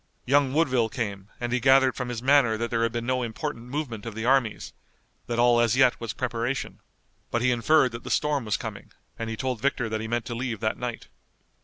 Young Woodville came, and he gathered from his manner that there had been no important movement of the armies, that all as yet was preparation. But he inferred that the storm was coming, and he told Victor that he meant to leave that night.